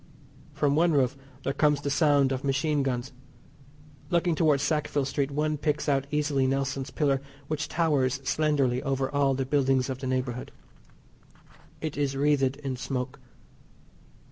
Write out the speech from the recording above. From the roof there comes the sound of machine guns. Looking towards Sackville Street one picks out easily Nelson's Pillar, which towers slenderly over all the buildings of the neighbourhood. It is wreathed in smoke.